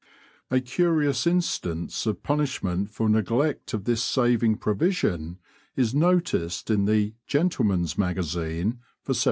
A curious instance of punishment for neglect of this saving provision, is noticed in the 'Gentleman's Magazine' for 1772.